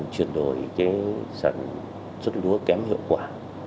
chuyển đổi sản xuất lúa kém hiệu quả